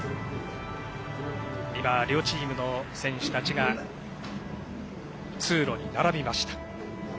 今、両チームの選手たちが通路に並びました。